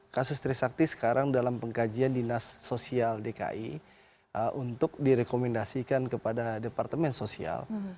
kasus trisakti sekarang dalam pengkajian dinas sosial dki untuk direkomendasikan kepada departemen sosial